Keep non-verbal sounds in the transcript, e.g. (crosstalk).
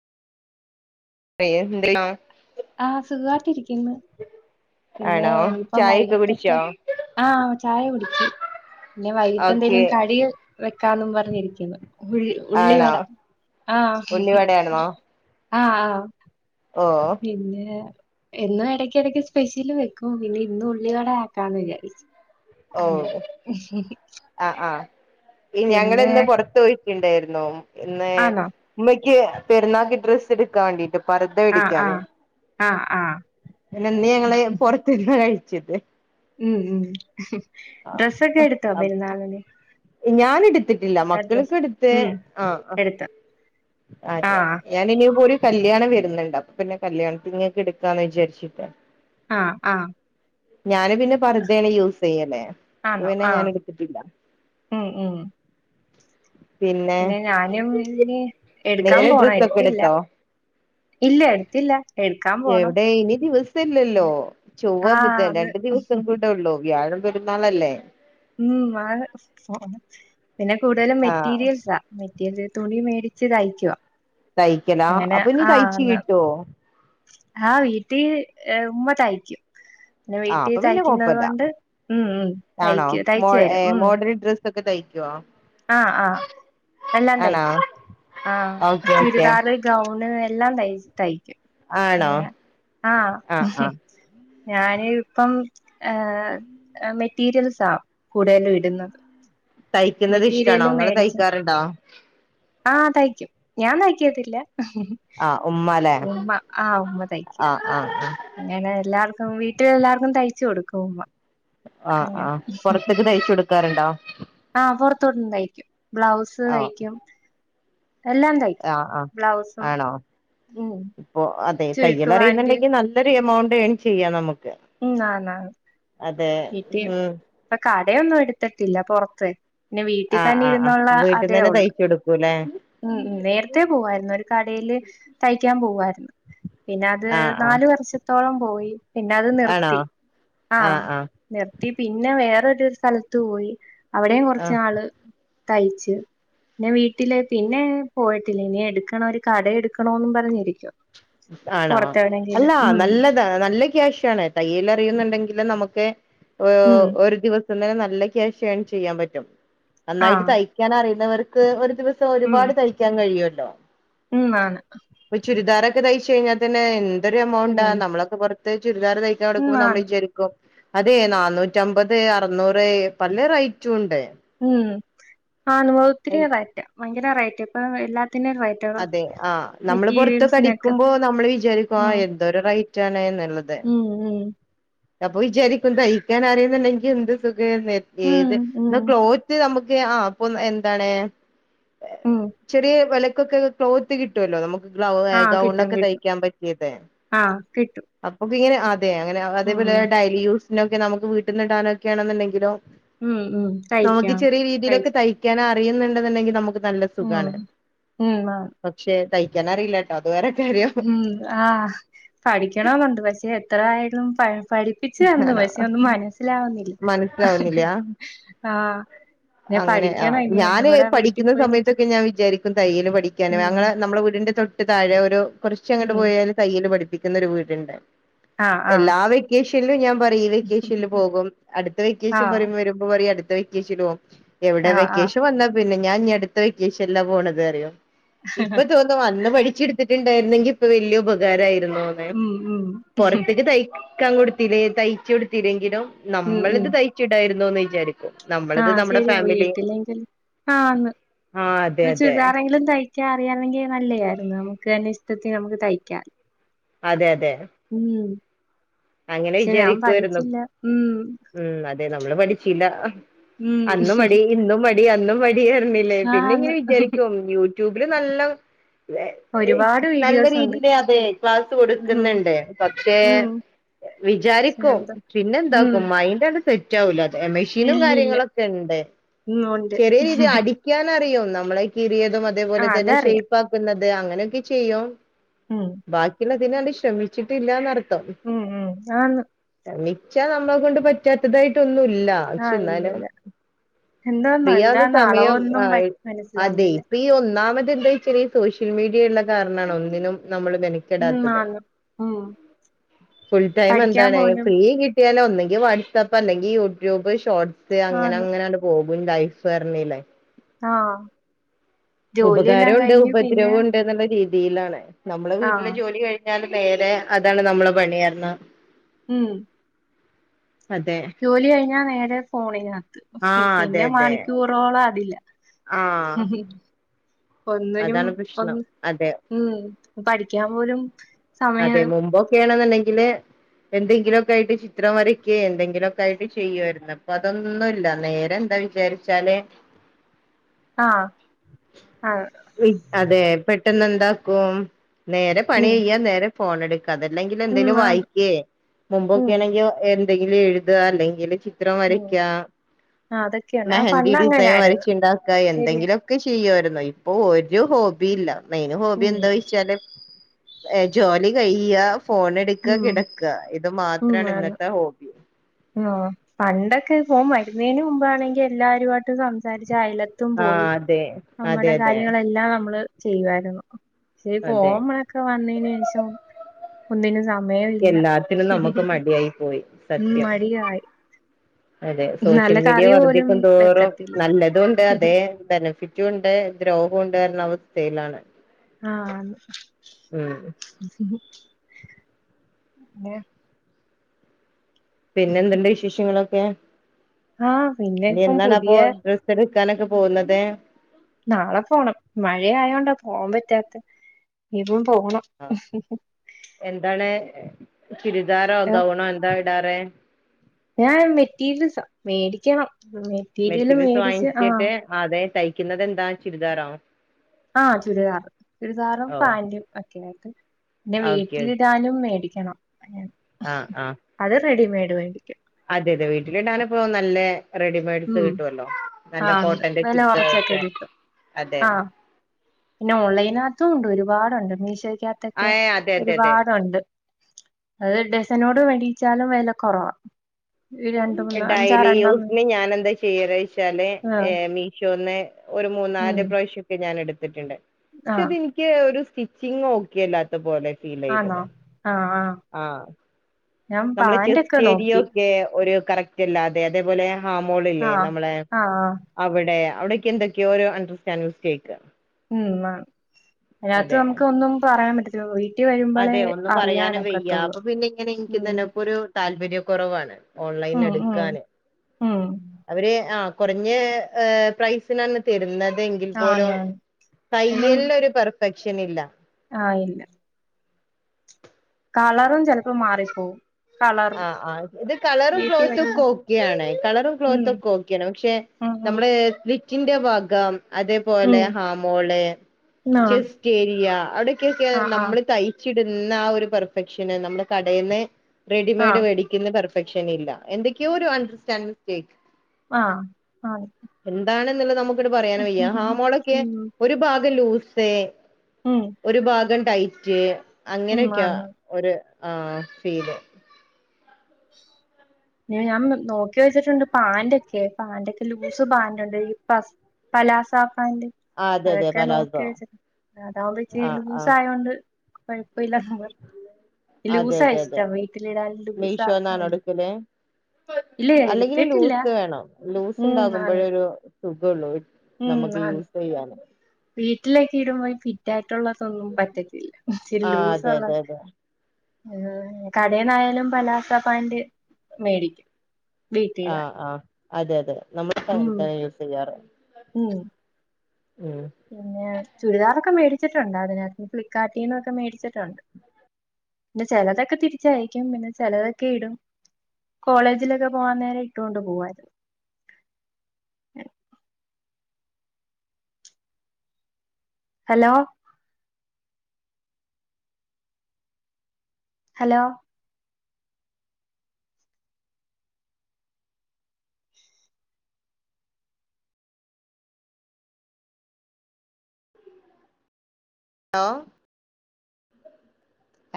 A എന്തെയ്യും ആഹ് സുഖമായിട്ടിരിക്കുന്നു പിന്നെ ആണോ ഇപ്പം ചായൊക്കെ വൈകിട്ടൊക്കെ കുടിച്ചോ ആ ചായ കുടിച്ച് പിന്നെ ഓക്കെ വൈകിട്ടെന്തെങ്കിലും കടി വെക്കാനും പറഞ്ഞ് ഇരിക്കുന്നു ഉഴി ആണോ ഉള്ളിവട ആഹ് ഹ്മ്മ് ഉള്ളിവടയാണോ ആഹ് ആഹ് ഓ പിന്നെ എന്നും ഇടക്ക് ഇടക്ക് സ്പെഷ്യല് വെക്കും പിന്നെ ഇന്ന് ഉള്ളിവട ആക്കാ എന്ന് വിചാരിച്ച് ഓ ആഹ് ആഹ് ഈ പിന്നെ ഞങ്ങളിന്ന് പുറതോയി രൊക്കെണ്ടായിരുന്നു ആണോ (unintelligible) ന്ക്കി പെരുന്നാൾക്ക് ഡ്രെസ്സെടുക്കാൻ വേണ്ടിട്ട് പറുത ആഹ് പിടിക്കലെ ആഹ് ആഹ് ആഹ് പിന്നെ ഇന്ന് ഞങ്ങള് പുറത്തിന്ന് കഴിച്ച് (unintelligible) ഹ്മ്മ് ഹ്മ്മ് അ അ ഹ് ഞാൻ എടുത്തിട്ടില്ല ഡ്രസ് മക്കൾക്ക് എടുത്ത് ഉം ആഹ് ആഹ് എടുത്ത് അതെ ആഹ് ഞാനിനി യുങ്കുടിം കല്യാണം വരുന്നുണ്ട് അപ്പൊ പിന്നെ കല്യാണത്തിങ്ങേക്ക് എടുക്ക എന്ന് വിചാരിച്ചിരിപ്പ ആഹ് ആഹ് ഞാന് പിന്നെ പർദ്ദയാണ് യൂസ് ചെയ്യല് അപ്പോ ആന്നോ പിന്നെ ഞാൻ ആഹ് എടുത്തിട്ടില്ല ഉം ഉം പിന്നെ ഞാനും പിന്നെ എടുക്കാൻ നിങ്ങള് പോണം ഡ്രസ്സൊക്കെ എടുത്തില്ല എടുത്തോ ഇല്ല എടുത്തില്ല എടുക്കാൻ പോണം എവിടെ ഇനി പിന്നെ ദിവസല്ലല്ലോ ചൊവ്വാ ആഹ് ബുധൻ അത് രണ്ടു ദിവസം കൂടെ ഉള്ളു വ്യാഴം പെരു (unintelligible) ന്നാളല്ലേ ഇംആണ് (unintelligible) പിന്നെ കൂടുതലും ആഹ് മെറ്റീരിയൽസാ മെറ്റ് എന്ത് തുണി മേടിച്ച് തയ്ക്ക്വ തയ്ക്കലാ അപ്പൊ ഇനി തയ്ച്ച് കിട്ടോ ആഹ് വീട്ടീ ഉമ്മ തൈക്കും ന്നെ ആഹ് വീട്ടിൽ അപ്പൊ പിന്നെ തയ്ക്കുന്നത് കൊഴപ്പല്ല കൊണ്ട് ഉം ഉം തയ്ക്കു തയ്ച്ചു വരു ഉം ക്കെ തയ്ക്ക്വാ ആ ആഹ് എല്ലാം ആണോ തയ്ക്കും ആ ഓക്കെ ഓക്കെ ചുരിദാറ്, ഗൗണ്, എ എല്ലാം തയ്ച്ച് തയ്ക്കും ആണോ ആഹ് ആഹ് ഞാന് ഇപ്പം ഏ മെറ്റി റ്റീരിയൽസ കൂടുതലും ഇടുന്നത് തയ്ക്കുന്നത് ഇഷ്ടണോ മെറ്റീരിയല് ങ്ങള് മേടിച്ച തയ്ക്കാറുണ്ടോ ആഹ് തയ്ക്കും ഞാൻ തയ്ക്കത്തില്ല ആഹ് ഉമ്മ ല്ലേ ഹ്ഹ്ഹ്ഉമ്മ ആഹ് ഉമ്മ തയ്ക്കും ആഹ് ആഹ് ആഹ് അങ്ങനെ എല്ലാര് ഉം വീട്ടിലെല്ലാർക്കും തയ്ച്ചു കൊടുക്കും ഉമ്മ ആഹ് അങ്ങനെ ആഹ് പുറത്തിക്ക് തയ്ച്ചു കൊടു ക്കാറ്ണ്ടോ ആഹ് പൊറത്തോട്ടും തയ്ക്കും ബ്ലൗസ് ആഹ് തയ്ക്കും എല്ലാം തയ്ക്കും ആഹ് ആഹ് ബ്ലൗസും ആണോ ഉം (unintelligible) ഇപ്പൊ അതെ ചുരുക്ക് പാന്റ് തയ്യലറിയുന്നുണ്ടെങ്കി നല്ലൊരു എമൗണ്ട് ഏൺ ചെയ്യാംന്നമക്ക് ഉം ആന്നാന്ന് (unintelligible) കട ഒന്നും എടുത്തിട്ടില്ല പൊറത്ത് പിന്നെ വീട്ടി ആഹ് തന്നെ ആഹ് ആഹ് ഇരുന്നുള്ള വീട്ടിന്ന് അതേ തന്നെ ഉള്ളു തയ്ച്ചു കൊടുക്കൂല്ലേ ഉം ഉം നേരത്തേ പോവായിരുന്നു ഒരു കടേല് തയ്ക്കാൻ പോവായിരു പിന്നെ അത് ആഹ് ആഹ് നാല് വർഷ ത്തോളം പോയി പിന്നെ അത് ആണോ നിർത്തി ആഹ് നിർത്തി പിന്നെ വേറൊരു സ്ഥലത്ത് പോയി അവിടെം കൊറച്ച് ആഹ് നാള് തയ്ച്ച് പിന്നെ വീട്ടില് പിന്നെ പോയിട്ടില്ല ഇനി എടുക്കണം ഒരു കട എടുക്കണോന്ന് പറഞ്ഞിരിക്ക ആണോ അല്ല നല്ലതാ നല്ല ക്യാഷ് ആണ് തയ്യൽ അറിയുന്നുണ്ടെങ്കില് നമുക്ക് ഓ ഉം ഒരു ദിവസ ന്നെ നല്ല ക്യാഷ് എൺചെയ്യാൻ പറ്റും നന്നായിട്ട് ആഹ് തയ്ക്കാൻ അറിയുന്നവർ ഒരു ഒരു ദിവസം ഉം ഒരുപാട് തയ്ക്കാൻ കഴിയോട്ടെ ഉ (unintelligible) ഉം ആാന ഒകയിച്ചു കഴിഞ്ഞാൽ തന്നെ അതൊ എമൗണ്ട് ആ നമ്മളക്കെറ ത ചുരിദാ തക്കാ ഉം കൊടുക്ക്പോ നമ്മൾ ആണ് വി ജരിക്കും അതെ നന്നൂറ്റ അമ്പത് അറനൂറ് പല റൈറ്റും ഉണ്ട് ആ നവൗത്തിരിയതായിട്ട ഭയങ്കര റേറ്റ് ഇപ്പ എല്ലാ അതെ ആ നമ്മള് പൊറത്തൊ മെറ്റീരിയൽസിനൊക്കെ അടിക്കുമ്പോ നമ്മൾ വിചാരിക്കും ആ ഉം എന്തോ റൈറ്റ് ആണെന്ന് ഉള്ളതെ ഉം ഉം അപ്പൊ വിചാരിക്കും ദഹക്കാൻ അറിയുന്നുണ്ടെങ്കിൽ എന്ത്ഖം ഉം ഏത് ഉം ക്ലോത്ത് നമുക്ക് െ ആ് അപ്പൊ എന്താണ് ഉം ചെറിയ വില ക്കെ ക്ലോത്ത് കിട്ടുമല്ലോ നമുക്ക് ഗൗ ആഹ് ഗൗൺ കിട്ടും ഒക്കെ കിട്ടും തയ്ക്കാൻ പറ്റിയത് ആഹ് കിട്ടും അപ്പൊ ങ്ങനെ അതെ അങ്ങനെ അതേപോലെ ഉം ഡേയ്ലി യൂസ് പിന്നെക്കെ നമുക്ക് വിട്ടന്ന് ഇ ടാനൊക്കെ ണെന്ന് ക്കിലും ഉം ഉം നമുക്ക് തയ്ക്കാം ചെറിയ രീതിയിലൊക്കെ തയ്ച്ച് തയ്ക്കാന അുന്നുണ്ടണ്ടെങ്കിൽ നമുക്ക് നല്ല ഉം സുഖാണ് ഉം ആ പക്ഷെ തൈ ജനാറ ഇല്ലാട്ട അത് വരെ ഉം ആഹ് പഠിക്കണെന്നുണ്ട് പക്ഷെ എത്ര ആയാലും പ പഠിപ്പിച്ചു തന്നു ആണോ പക്ഷെ ഒന്ന് മനസ്സിലാവ മനസ്സിലാവുന്നില്ല (unintelligible) ആ അങ്ങനെ ആ ഞാന് പഠിക്കുന്ന പോയി നിക്ക് സമയത്തൊക്കെ ഞാൻ വിചാരിക്കും തയ്യും പഠിക്കാനും അങ്ങനെ ഉം നമ്മുടെ വീടിന്റെ തൊ താഴെ ഒരു കുറച്ച് അങ്ങൊട് ഉം പോയാല് തയ്യല് പഠിപ്പി എന്നൊരു വീട്ണ്ട് ആഹ് ആഹ് എല്ലാ വെക്കേഷ് ഇല്ല (unintelligible) പറ ഈ വെക്കേഷനിൽ പോകും അടുത്ത വെക്കേഷൻ ആഹ് വരുമ്പ വരുമ്പ (unintelligible) എവിടെ ആഹ് ആഹ് വെക്കേഷൻ വന്നാ പിന്നെ ഞാൻ ഇനി അടുത്ത വെക്കേഷനിൽ പോണുന്നത് അറിയോ ഇപ്പൊ തോന്നും അന്ന് പഠിച്ചിട് വിടെ ഉണ്ടായിരുന്നങ്കിൽ ഇപ്പൊ വലിയ ഉപകാരായി ഉം ഉം പൊറത്തേക്ക് തയ് കൊടുത്തില്ലേ തയ്ച് കൊടുത്തില്ലെങ്കിലും ഉം നമ്മളിത് തയ്ച്ചി ഇടായിരുന്നു എന്തോന്ന് വിചാരിക്കും ആ നമ്മളത് നമ്മുടെ ശരിയാ ഫാമിലി വീട്ടിലെങ്കിലും ആന്ന് ആ അതെ ഒരു അതെ ചുരിദാറെങ്കിലും തയ് ഒക്കെ അറിയാമെങ്കിൽ നല്ലതായിരുന്നു നമുക്ക് തന്നെ ഇഷ്ടത്തിൽ നമുക്ക് തയ്ക്കാം അതെ അതെ ഉം അങ്ങനെ പക്ഷെ ഞാൻ വിചാരിക്കായിരുന്നു പഠിച്ചില്ല ഉം മ് അതെ നമ്മള് പഠിച്ചില്ല ഉം അന്നും മടി ഇന്നും മടി അന്നും തീർന്നില്ലേ പിന്നെ ആന്ന് ഇങ്ങനെ വിചാരിക്കും യു ട്യൂബില് നല്ല വെ ഏയ് ഒരുപാട് നല്ല വീഡിയോസ് ഉണ്ട് രീതിയിലതെ ക്ലാസ്സ് ഉം കൊടുക്ക്ന്ന്ണ്ട് പക്ഷേ ഉം വിചാരിക്കും എന്താ പിന്നെ ഉം എന്താക്കും മൈൻറ്റാണ്ട് സെറ്റ് ആവൂല്ല ഏ മെഷീനും ഇല്ലില്ല കാര്യങ്ങളൊക്കെണ്ട് ഉം ഉണ്ട് ചെറിയ രീതി അടിക്കാൻ അറിയും നമ്മളെ കീറിയെ ത് ആ അതേപോല തന്നെ അതറിയാം ഷേപ്പക്കുന്നത് തെ അങ്ങനൊക്കെ ചെയ്യും ഉം ബാക്കിള്ളെ തിന് അത് ശ്രമിച്ചിട്ടില്ലാന്നറി ട്ടൊ ഉം ഉം ആന്ന് മിച്ചാ നമ്മളെ കൊണ്ട് പറ്റാത്തതായിട്ടൊന്നു ല്ല ആ പക്ഷെ ഇല്ല എന്നാലും ഇല്ല എന്താന്നോ ഫ്രീ ആകുന്ന എന്താണ് സമയം അളവൊന്നും ആ പ ഏ അതെ മനസ്സിലാവുന്നില്ല ഇപ്പയി ഒന്നാമ ഇതന്തോയിച്ചാല് സോഷ്യൽ മീഡിയെള്ള കാരണാണ് ഒന്നിനും നമ്മള് ഉം മെനക്കടാത്തത് ആന്ന് ഉം ഫുൾ പഠിക്കാൻ ടൈമെന്താണ് പോലും ഫ്രീ കി ക്കിയാലാെന്നെങ്കി വാട്സപ്പ് അല്ലെങ്കിൽ യൂട്യൂബ് ഷോട് സ് ആന്ന് അങ്ങനെങ്ങനാണ്ട് പോവും (unintelligible) ലയ്ഫ് അർഞ്ഞീലെ ആ ജോലിയെല്ലാം ഉപകാരോണ്ട് കഴിഞ്ഞ് പിന്നെ ഉപദ്രവോണ്ട്ന്ന്ള്ള രീ തീലാണ് നമ്മളെ ആ വീട്ടിലെ ജോലി കഴ് (unintelligible) അതാണ് നമ്മളെ പണി അർനാ ഉം അതെ ജോലി കഴിഞ്ഞാ നേരെ ഫോണിനാ ആ പിന്നെ മണിക്കൂറോള അതില് ആഹ് ഒന്നിനും അതെ (unintelligible) പഠിക്കാൻ പോലും സമയം എന്തെങ്കിലുമൊക്കെയായിട്ട് ചിത്രം വരക്ക എന്തെങ്കിലുമൊക്കെ ആയിട്ട് ചെയ്യുവമായിരുന്നു അപ്പൊ അതൊന്നുല്ല നേരെ എന്താ വിചാരിച്ചാല് ആ.. ആ. അതെ പെട്ടെന്ന് എന്താക്കും നേരെ പണി ഉം തൻ ഫോൺ എടുക്ക് അതല്ലെങ്കിൽ ഉം എന്തേലും ആന്ന് വായിക്കേ ഉം മുമ്പൊക്കെ ആണെങ്കിലോ എന്തെങ്കിലും എഴുതുക അല്ലെങ്കിൽ ചിത്രം ഉം വരക്ക ആഹ് അതൊക്കെയുണ്ട് ആഹ് മെഹന്തി പണ്ട് ഡിസൈൻ അങ്ങനായിരുന്നു വരച്ചുണ്ടാക്ക ശരിയാ എന്തെങ്കിലും ഒക്കെ ചെയ്യുണ്ട് (unintelligible) ഇപ്പൊ ഒരു ഹോബില്ല മെയിന് ഹോബി ഉം എന്തോയിച്ചാല് ഏ ജോലി കഴിക ഫോൺ എടുക്ക ഉം കിടക്ക ഇത് മാത്രാണ് ഇന്നത്തെ ഹോബി ആ പണ്ടൊക്കെ ഫോൺ വരുന്നതിന് മുമ്പാണെങ്കി എല്ലാരുമായിട്ടും സംസാരിച്ച് അയിലതും ആഹ് പോയി അതെ അതെ നമ്മുടെ അതെ കാര്യങ്ങളെല്ലാം നമ്മള് ചെയ്യുവായിരുന്നു ശേ ഈ അതെ ഫോമൊക്ക വന്നേനു ശേഷം ഒന്നിന് നാ എല്ലാത്തിനും നമുക്ക് മടിയായി പോയി ഉം സത്യം മടിയായി അതെ സോഷ്യൽ നല്ല മീഡിയ കറി പോലും വർധിക്കുന്തോറും വെക്കത്തില്ല നല്ലതും ഉണ്ട് അതെ ബെനഫിറ്റും ഉണ്ട് ദ്രോഹോം കേർണ അവസ്ഥയിലാണ് ആഹ് ഉം പിന്നെ പിന്നെ എന്തുണ്ട് വിശേഷങ്ങള് ക്കെ ആഹ് പിന്നെ ഇപ്പം പുതിയ കിക്കാനൊക്കെ പോകുന്നത് നാളെ പോണം മഴ ആയോണ്ടാ പോവാൻ പറ്റാത്ത ഇ പോണം ആ, എന്താണ് ചുരിദാറോ ആ ഗൗണോ എന്താ ന്തറേ ഞാൻ മെറ്റീരിയൽസ് ഒക്കെ മേടിക്കും മേറ്റീരിയൽസ് വാങ്ങിച്ചിട്ട് അതെ ടൈ ക്കുന്നത് എന്താ ചുരിദാറോ ആഹ് ചുരിദാറ് ചുരിദാറും ഓ പാന്റും ഒക്കെയായിട്ട് പിന്നെ ഓക്കെ ഓക്കെ വീട്ടിലിടാനും മേടിക്കും മേടിക്കണം ആഹ് ആഹ് അത് റെഡിമേഡ് (inaudible) വേടിക്കും അതെ അതെ വീട്ടിലിടാനെ ഇപ്പൊ നല്ലേ ഉം ആഹ് ഉണ്ട് കോട്ടന്റെ വില കൊറച്ചൊക്കെ ചുരിദാറൊക്കെ കിട്ടും അതെ ആഹ് പിന്നെ ഓൺലൈനകത്തും ഉണ്ട് ഒരു ഒരുപാടുണ്ട് മീശോ ആ ക്കകത്തൊക്കെ അതെ അതെ അതെ ഒരുപാടുണ്ട് അത് ഡസനോട് വേടിച്ചാലും വില കുറവാ രണ്ട് മൂന്ന് അഞ്ചാറെണ്ണം ഞാനെന്താ ചെയ്യല് ചോയ്ച്ചാല് ആഹ് മീഷോന്ന് ഒരു മൂന്നാല് ഉം പ്രാവശൊക്കെ ഞാനെട് ഇട്ടിട്ടുണ്ട് ആഹ് പക്ഷെത് നിക്ക് ഒരു സ്റ്റിച്ചിങ്ങ് ഓക്കെ അല്ലാത്ത പോലെ ഫീൽ ആണോ ചെയ്തത് ആഹ് ആഹ് ഞാൻ നമ്മള് പാന്റൊക്കെ ചെസ്റ്റേരിയ നോക്കി ഒക്കെ ഒര് കറക്റ്റല്ലാതെ അതേപോലെ ഹാ മോളില്ലേ ആഹ് നമ്മളെ ആഹ് ആഹ് അവിടെ അവിടെക്കെ എന്തക്കെയൊ ഒരു അണ്ടർറ്റാൻറ്റ്മിസ്ടേക്ക് ഉ ആ അതിനാത്ത് നമുക്ക് ഒന്നും പറയാൻ പറ്റി രോയി (inaudible) അതെ ഒന്നും പറയാനും വയ്യ അപ്പൊ പിന്നെ ഇങ്ങനെ ഉം എനിക്കുന്നക്ക ഒരു താല്പര്യം താല്പര്യ കുറവാണ് ഓൺലൈൻ ഉം ഉം എടുക്കാന് ഉം അവര് ആ കുറഞ്ഞ പ്രൈസിനാണ് തരുന്ന ആന്ന് ങ്കിൽപോലും ആന്ന് ഒന്നും തയ്യൽനൊരു പെർഫ ക്ഷനില്ല ആഹ് ഇല്ല കളറും ചിലപ്പൊ മാറിപ്പോവും കളറും ആഹ് ആഹ് ഇത് കളറും വീട്ടിൽ ക്ലോത്തും ഒക്കെ വരുമ്പോ ഓക്കെയാണ് കളറും ഉം ക്ലോത്ത് ഒക്കെ ഓക്കെയാണ്. പക്ഷെ ഉം ഉം നമ്മള് (unintelligible) ഇന്റെ ഭാഗം അതേ പോലെ ഉം ഹാമോള്, ചെസ്റ്റേരിയ (unintelligible) കെക്കെ ആഹ് ആഹ് നമ്മള് തയ്ച്ച് കിടുന്ന ആ ഒരു പെർഫെക്ഷന് നമ്മള് കടേന്ന് റെഡിമേഡ് ആഹ് വേടിക്കുന്ന പെർഫ സെക്ഷനില്ല. എന്തൊക്കെയോ ഒരു അൺടർസ്റ്റാൻഡ് മിസ്റ്റേക്ക് ആഹ് ആഹ് ന്ന്ള്ള് നമ് ങ്ങട്ട് പറയാനും വയ്യാ ഹാമോളൊക്കെ ഉം ഒരു ഭാഗം ലൂസ് സേ. ഉം ഒരു ഭാഗം ടൈറ്റ്. ഉം അങ്ങനെയൊക്കെയാ ആന്ന് ഒര് ആ ഫീല് ഞാ ഞാൻ നോക്കി വെച്ചിട്ടുണ്ട് പാന്റൊക്കെ. പാന്റൊക്കെ ലൂസ് പാന്റ് ഉണ്ട് ഈ പ പലാസ പാന്റ് ആഹ് അതെ അതെ അതൊക്കെ നോക്കി പലാസോ വെച്ച്. അതാവുമ്പോ ഇച്ചിരി ആഹ് ലൂസ് ആഹ് ആയോണ്ട് കുഴപ്പവില്ലാന്നും പറഞ്ഞ് ലൂസാ ഇഷ്ടം വീട്ടിലിടാൻ ലൂസാ നാണോഎടുക്കല് ഇല്ല അല്ലെങ്കില് എടുത്തിട്ടില്ല ലൂസ് വേണം ലൂസ് ഉം ഉണ്ടാകുമ്പോഴെ ആന്ന് ഒരു സുഖോള്ളൊര് നമുക്ക് യൂസ് ചെയ്യാന് വറ്റിലൊക്കെ ഇടുമ്പോയി ഫിറ്റ് ഫിറ്റായിട്ടുള്ളതൊന്നും പറ്റത്തില്ല ഇച്ചിരി ആ അതെ അതെ ലൂസൊള്ളത് അതെ ഞാന് കടേന്നായാലും പലാസൊ പാന്റ് മേടിക്കും ആ വീട്ടിടാൻ ആ അതെ അതെ നമ്മുടെ ഉം സാദാ യൂസ് ചെയ്യാറ് ഉം ഉം പിന്നെ ചുരിദാറൊക്ക മേടിച്ചിട്ടുണ്ട് അതിനാത്തിന് ഫ്ലിപ്കാർട്ടിന്നൊക്കെ മേടിച്ചിട്ട് (inaudible) പിന്നെ ചെലതൊക്കെ തിരിച്ചയക്കും പിന്നെ ചെലതൊക്കെ ഇടും കോളേജിലൊക്കെ പോവാൻ നേരം ഇട്ടോണ്ട് പോവാരുന്നു ഹലോ ഹലോ ഹലോ